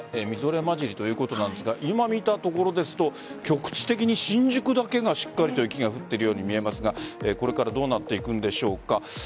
みぞれまじりということなんですが今、見たところですと局地的に新宿だけがしっかりと雪が降っているように見えますがこれからどうなっていくんでしょうか。